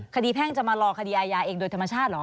แพ่งจะมารอคดีอายาเองโดยธรรมชาติเหรอ